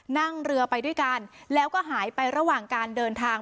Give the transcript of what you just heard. นั่งเรือไปด้วยกันแล้วก็หายไประหว่างการเดินทาง